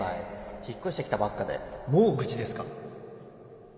引っ越してきたばっかでもう愚痴ですか？